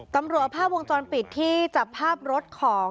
สำรวจสัคโรลัเมนนัดร้าน